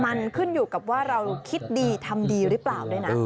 มันขึ้นอยู่กับว่าเราคิดดีทำดีหรือเปล่าด้วยนะ